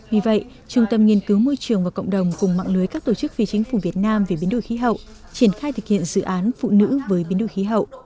vì vậy trung tâm nghiên cứu môi trường và cộng đồng cùng mạng lưới các tổ chức phi chính phủ việt nam về biến đổi khí hậu triển khai thực hiện dự án phụ nữ với biến đổi khí hậu